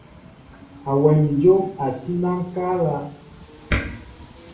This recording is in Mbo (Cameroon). Awem njóm tí na ŋkala.